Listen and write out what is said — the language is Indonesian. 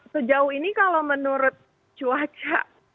sejauh ini kalau menurut cuaca